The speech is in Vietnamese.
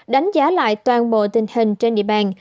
đánh giá lại toàn bộ tình hình trên địa bàn